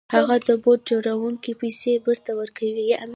هغه د بوټ جوړوونکي پيسې بېرته ورکړې.